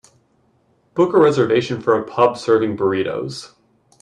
Book a reservation for a pub serving burritos